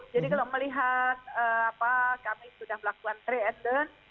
jadi kalau melihat kami sudah melakukan re advent